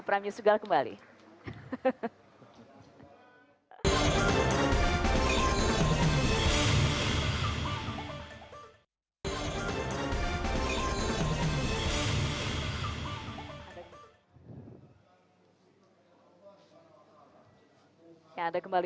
pramie sugal kembali